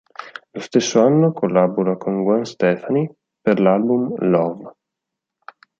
Lo stesso anno collabora con Gwen Stefani per l'album "Love.